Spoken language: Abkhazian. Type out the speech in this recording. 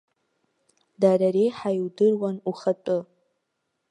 Дара реиҳа иудыруан ухатәы.